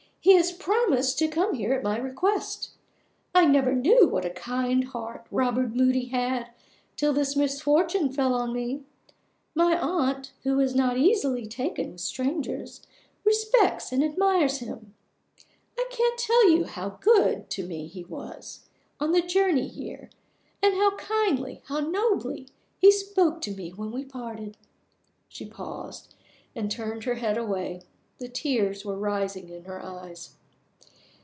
"He has promised to come here at my request. I never knew what a kind heart Robert Moody had till this misfortune fell on me. My aunt, who is not easily taken with strangers, respects and admires him. I can't tell you how good he was to me on the journey here and how kindly, how nobly, he spoke to me when we parted." She paused, and turned her head away. The tears were rising in her eyes.